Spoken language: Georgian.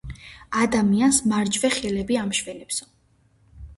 ადამიანს მარჯვე, ხელები ამშვენებსო.